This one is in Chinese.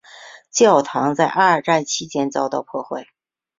教堂在二战期间遭到破坏。